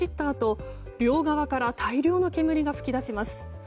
あと両側から大量の煙が噴き出します。